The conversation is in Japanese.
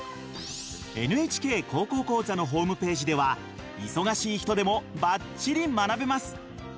「ＮＨＫ高校講座」のホームページでは忙しい人でもばっちり学べます。